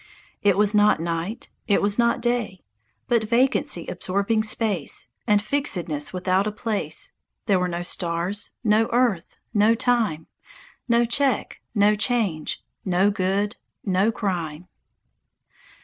It was not night it was not day. ..... But vacancy absorbing space, And fixedness, without a place; There were no stars no earth no time No check no change no good no crime.